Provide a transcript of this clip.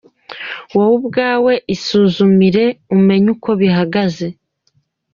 Wowe ubwawe isuzumire, umenye uko bihagaze.